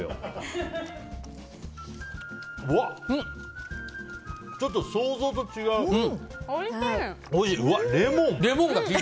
うわっ、ちょっと想像と違う。